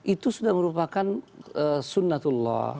itu sudah merupakan sunnatullah